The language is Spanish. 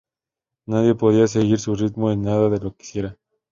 Nadie podía seguir su ritmo en nada de lo que hiciera.